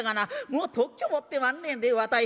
もう特許持ってまんねんでわたい。